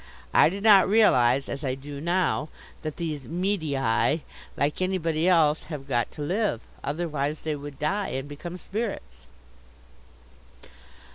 I did not realize, as I do now, that these medii, like anybody else, have got to live; otherwise they would die and become spirits.